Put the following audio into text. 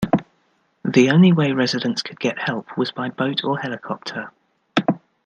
The only way residents could get help was by boat or helicopter.